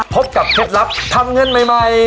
พบกับเทปรับทำเงินใหม่